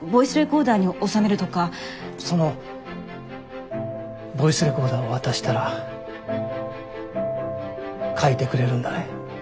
そのボイスレコーダーを渡したら書いてくれるんだね。